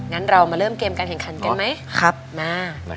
งั้นเรามาเริ่มเกมการแข่งขันกันไหมมา